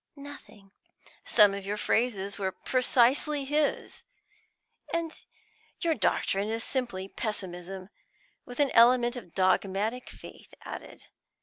"Nothing." "Some of your phrases were precisely his. Your doctrine is simply Pessimism, with an element of dogmatic faith added.